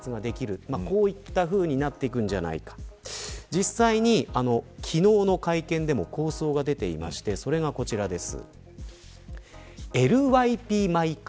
実際に、昨日の会見でも構想が出ていてそれがこちらです。